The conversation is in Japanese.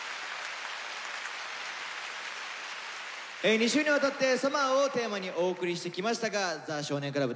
２週にわたって「ＳＵＭＭＥＲ」をテーマにお送りしてきましたが「ザ少年倶楽部」